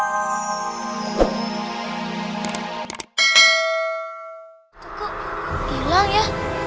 itu kok hilang ya